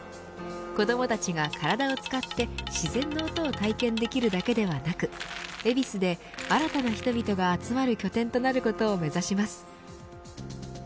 子どもたちが体を使って自然の音を体験できるだけでなく恵比寿で新たな人々が集まる拠点となることを目指します。